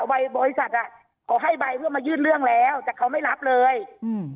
ใบบริษัทอ่ะเขาให้ใบเพื่อมายื่นเรื่องแล้วแต่เขาไม่รับเลยอืม